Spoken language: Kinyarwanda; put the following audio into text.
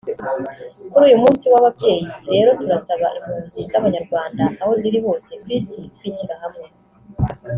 Kuri uyu munsi w’ababyeyi rero turasaba impunzi z’abanyarwanda aho ziri hose ku isi kwishyira hamwe